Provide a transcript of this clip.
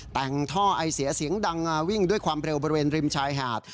แต่งท่อไอเสียเสียงดังมาวิ่งด้วยความเร็วบริเวณริมชายหาด